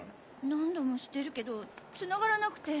何度もしてるけどつながらなくて。